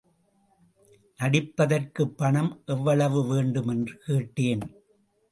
நடிப்பதற்குப் பணம் எவ்வளவு வேண்டும் என்று கேட்டேன்.